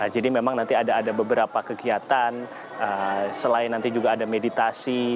jadi memang nanti ada beberapa kegiatan selain nanti juga ada meditasi